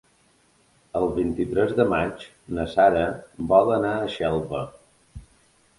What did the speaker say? El vint-i-tres de maig na Sara vol anar a Xelva.